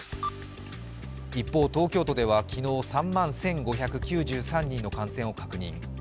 一方、東京都では昨日、３万１５９３人の感染を確認。